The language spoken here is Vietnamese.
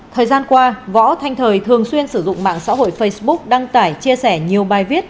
thời gian qua võ thanh thời thường xuyên sử dụng mạng xã hội facebook đăng tải chia sẻ nhiều bài viết